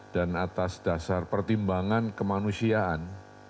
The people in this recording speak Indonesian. dan atas dasar pertimbangan kemanusiaan